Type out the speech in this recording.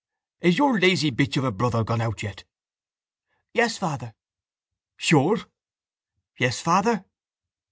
—Is your lazy bitch of a brother gone out yet? —Yes, father. —Sure? —Yes, father.